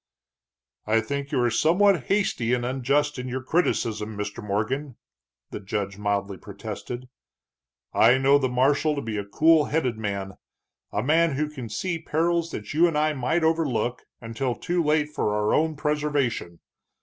"I think you are somewhat hasty and unjust in your criticism, Mr. Morgan," the judge mildly protested. "I know the marshal to be a cool headed man, a man who can see perils that you and I might overlook until too late for our own preservation.